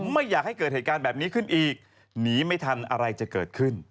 ไม่อยากให้เกิดเหตุการณ์แบบนี้ขึ้นอีกหนีไม่ทันอะไรจะเกิดขึ้น